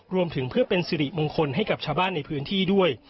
รวมถึงเพื่อเป็นสิริมงคลให้กับชาวบ้านในพื้นที่ด้วย